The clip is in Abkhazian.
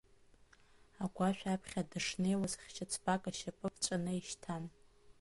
Агәашә аԥхьа дышнеиуаз хьшьыцбак ашьапы ԥҵәаны ишьҭан.